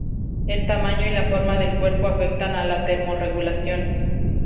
El tamaño y la forma del cuerpo afectan a la termorregulación.